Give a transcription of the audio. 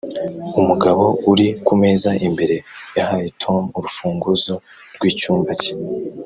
umugabo uri kumeza imbere yahaye tom urufunguzo rwicyumba cye.